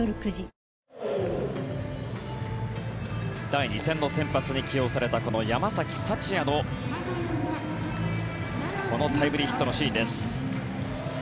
第２戦の先発に起用された山崎福也のこのタイムリーヒットのシーンです。